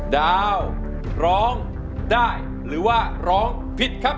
ดาวร้องได้หรือว่าร้องผิดครับ